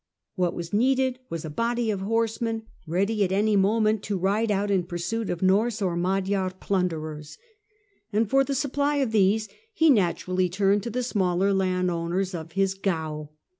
What was needed was a body of horsemen ready at any moment to ride out 237 238 THE DAWN OF MEDIAEVAL EUROPE in pursuit of Norse or Magyar plunderers. And for the supply of these he naturally turned to the smaller land owners of his gau.